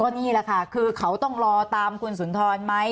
นี่แหละค่ะคือเขาต้องรอตามคุณสุนทรไหม